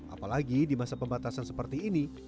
apalagi di masa pembatasan seperti ini